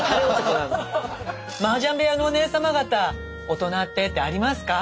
マージャン部屋のおねえ様方「大人って」ってありますか？